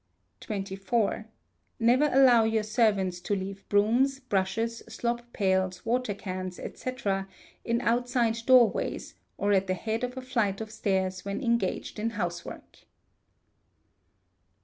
xxvi. Never allow your servants to leave brooms, brushes, slop pails, water cans, &c. in outside doorways, or at the head of a flight of stairs when engaged in house work.